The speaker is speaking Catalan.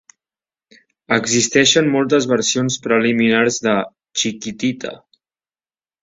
Existeixen moltes versions preliminars de "Chiquitita".